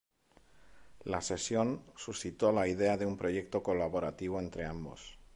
La sesión suscitó la idea de un proyecto colaborativo entre ambos.